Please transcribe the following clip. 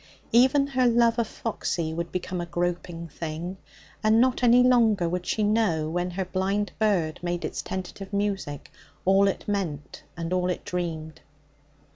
Even her love of Foxy would become a groping thing, and not any longer would she know, when her blind bird made its tentative music, all it meant and all it dreamed.